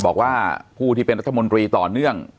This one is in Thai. บอกว่าผู้ที่เป็นรัฐมนตรีต่อเนื่อง